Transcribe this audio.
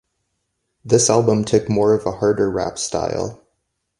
This album took more of a harder rap style.